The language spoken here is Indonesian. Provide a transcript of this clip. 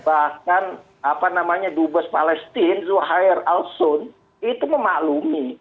bahkan dubas palestina zuhair al sun itu memaklumi